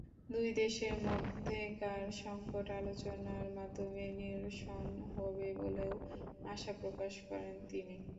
দুই দেশের মধ্যেকার সংকট আলোচনার মাধ্যমে নিরশন হবে বলেও আশাপ্রকাশ করেন তিনি।